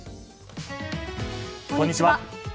こんにちは。